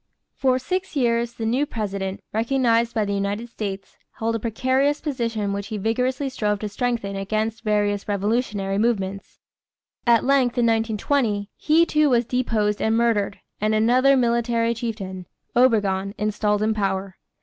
For six years the new president, recognized by the United States, held a precarious position which he vigorously strove to strengthen against various revolutionary movements. At length in 1920, he too was deposed and murdered, and another military chieftain, Obregon, installed in power.